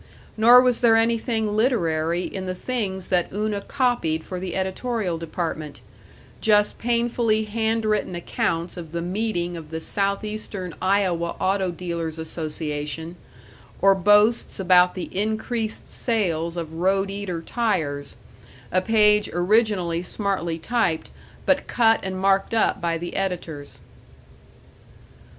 Nor was there anything literary in the things that Una copied for the editorial department; just painfully handwritten accounts of the meeting of the Southeastern Iowa Auto dealers' Association; or boasts about the increased sales of Roadeater Tires, a page originally smartly typed, but cut and marked up by the editors.